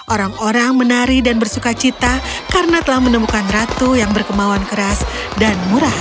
orang orang menari dan bersuka cita karena telah menemukan ratu yang berkemauan keras dan murah